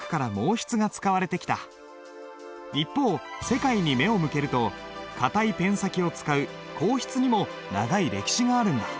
一方世界に目を向けると硬いペン先を使う硬筆にも長い歴史があるんだ。